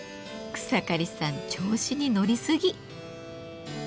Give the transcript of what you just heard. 草刈さん調子に乗りすぎ。